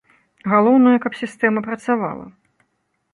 Галоўнае, каб сістэма працавала.